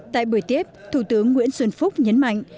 tại buổi tiếp thủ tướng nguyễn xuân phúc nhấn mạnh